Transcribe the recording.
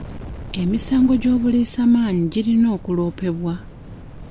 Emisango gy'obuliisamaanyi girina okuloopebwa.